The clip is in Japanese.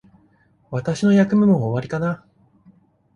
私の役目も終わりかな。